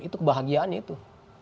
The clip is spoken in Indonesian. itu kebahagiaannya itu